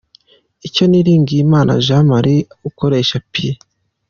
Icyo Niringiyimana Jean Marie ukoresha P.